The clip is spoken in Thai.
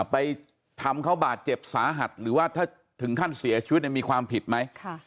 ไปทำเขาบาดเจ็บสาหัสหรือว่าถ้าถึงขั้นเสียชีวิตมีความผิดไหม